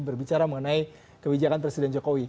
berbicara mengenai kebijakan presiden jokowi